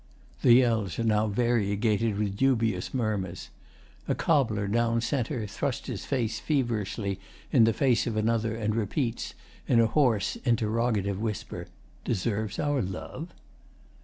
[The yells are now variegated with dubious murmurs. A cobbler down c. thrusts his face feverishly in the face of another and repeats, in a hoarse interrogative whisper, 'Deserves our love?